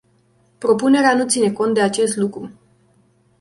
Propunerea nu ține cont de acest lucru.